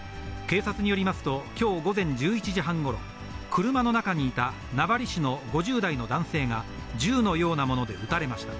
警察によりますと、きょう午前１１半ごろ、車の中にいた名張市の５０代の男性が、銃のようなもので撃たれました。